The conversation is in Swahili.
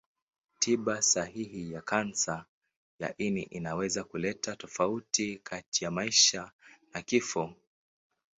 Tiba sahihi ya kansa ya ini inaweza kuleta tofauti kati ya maisha na kifo.